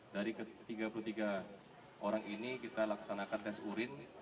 dari tiga puluh tiga orang ini kita laksanakan tes urin